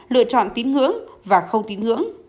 lựa chọn tín ngưỡng và không tín ngưỡng